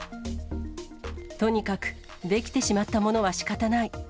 とにかく出来てしまったものはしかたない。